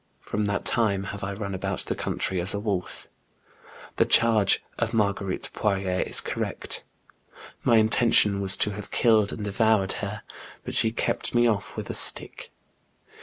From that time have I run about the country as a wolf. " The charge of Marguerite Poirier is correct. My JEAN GRENIEB. 98 intention was to have kQled and devoured her, but she kept me off with a stick.